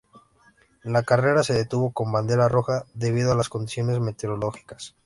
La carrera se detuvo con bandera roja debido a las condiciones meteorológicas.